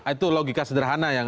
itu logika sederhana yang